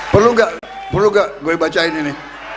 perlu gak perlu gak gue bacain ini